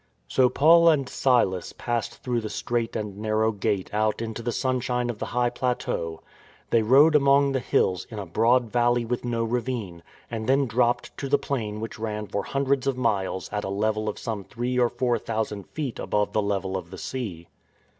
"* So Paul and Silas passed through the straight and narrow Gate out into the sunshine of the high plateau. They rode among the hills in a broad valley with no ravine, and then dropped to the plain which ran for hundreds of miles at a level of some three or four thousand feet above the level of the sea.